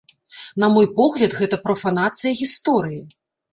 На мой погляд, гэта прафанацыя гісторыі.